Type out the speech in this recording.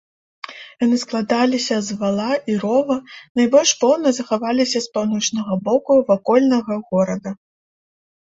Яны складаліся з вала і рова, найбольш поўна захаваліся з паўночнага боку вакольнага горада.